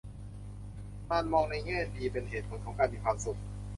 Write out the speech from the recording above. การมองในแง่ดีเป็นเหตุผลของการมีความสุข